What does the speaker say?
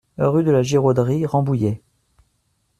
Rue de la Giroderie, Rambouillet